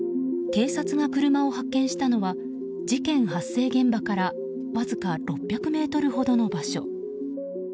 警察が車を発見したのは事件発生現場からわずか６００ｍほどの場所。